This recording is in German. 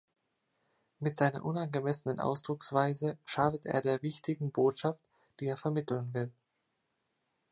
Mit seiner unangemessenen Ausdrucksweise schadet er der wichtigen Botschaft, die er vermitteln will.